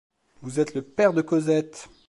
Vous êtes le père de Cosette!